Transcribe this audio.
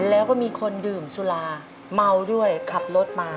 แล้วก็มีคนดื่มสุราเมาด้วยขับรถมา